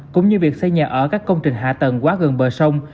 cũng như việc xây nhà ở các công trình hạ tầng quá gần bờ sông